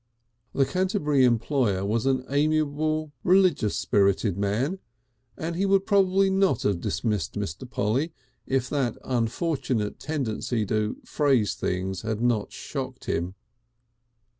The Canterbury employer was an amiable, religious spirited man and he would probably not have dismissed Mr. Polly if that unfortunate tendency to phrase things had not shocked him.